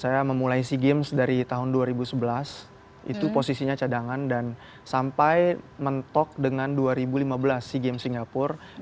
saya memulai sea games dari tahun dua ribu sebelas itu posisinya cadangan dan sampai mentok dengan dua ribu lima belas sea games singapura